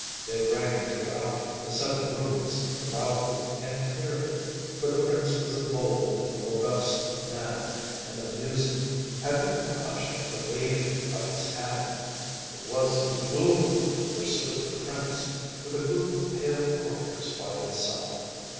They rang throughout the seven rooms loudly and clearlyŌĆöfor the prince was a bold and robust man, and the music had become hushed at the waving of his hand. It was in the blue room where stood the prince, with a group of pale courtiers by his side.